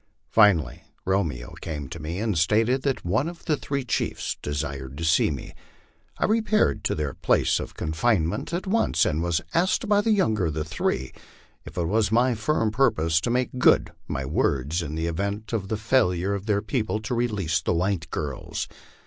Finally Romeo came to me and stated that the three chiefs desired to see me. I repaired to their place of confine ment at once, and was asked by the younger of the three if it was my firm purpose to make good my words in the event of the failure of their people to release the white girls.